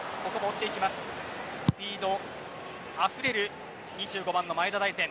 スピードあふれる２５番の前田大然。